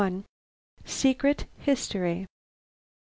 XLI. SECRET HISTORY.